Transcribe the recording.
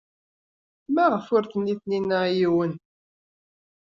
Maɣef ur tenni Taninna i yiwen?